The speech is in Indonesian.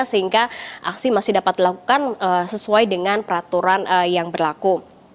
sehingga aksi masih dapat dilakukan sesuai dengan peraturan yang berlaku